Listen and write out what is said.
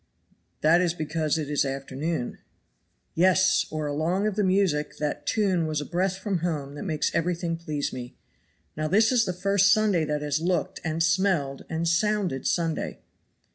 "That is because it is afternoon." "Yes! or along of the music; that tune was a breath from home that makes everything please me. Now this is the first Sunday that has looked, and smelled, and sounded Sunday."